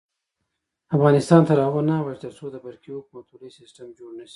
افغانستان تر هغو نه ابادیږي، ترڅو د برقی حکومتولي سیستم جوړ نشي.